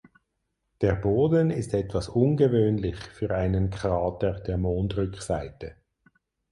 Der Boden ist etwas ungewöhnlich für einen Krater der Mondrückseite.